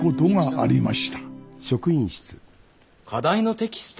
課題のテキスト？